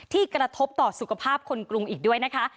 กระทบต่อสุขภาพคนกรุงอีกด้วยนะคะ